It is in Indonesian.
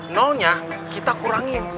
nolnya kita kurangin